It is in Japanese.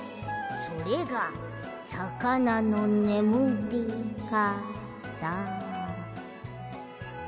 それがさかなのねむりかた。